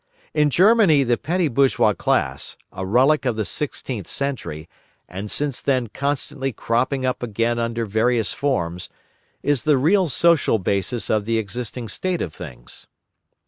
In Germany the petty bourgeois class, a relique of the sixteenth century, and since then constantly cropping up again under various forms, is the real social basis of the existing state of things.